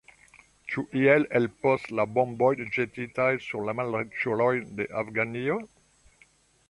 Ĉu iel helpos la bomboj ĵetitaj sur la malriĉulojn de Afganio?